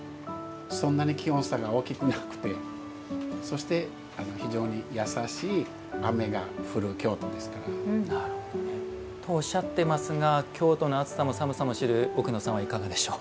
そんなに気温差が大きくなくてそして、非常に優しいとおっしゃっていますが京都の暑さも寒さも知る奥野さんはいかがでしょう。